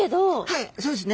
はいそうですね。